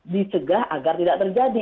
dicegah agar tidak terjadi